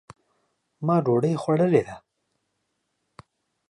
ما ډوډۍ خوړلې ده